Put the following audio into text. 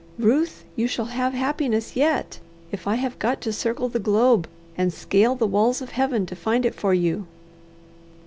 Ruth, you shall have happiness yet, if I have got to circle the globe and scale the walls of Heaven to find it for you."